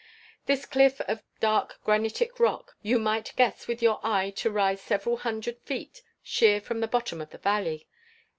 This cliff of dark granitic rock you might guess with your eye to rise several hundred feet sheer from the bottom of the valley.